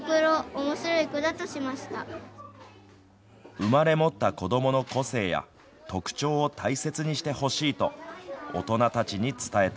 生まれ持った子どもの個性や特徴を大切にしてほしいと大人たちに伝えた。